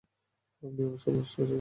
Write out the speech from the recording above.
আপনি আমার সময় নষ্ট করছেন।